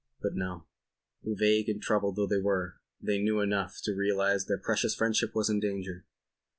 But no. Vague and troubled though they were, they knew enough to realize their precious friendship was in danger.